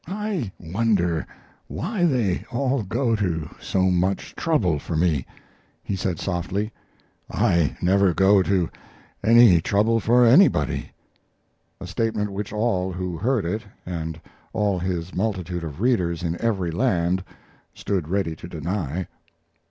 "I wonder why they all go to so much trouble for me," he said, softly. "I never go to any trouble for anybody" a statement which all who heard it, and all his multitude of readers in every land, stood ready to deny.